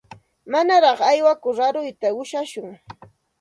Manaraq aywakur aruyta ushashun.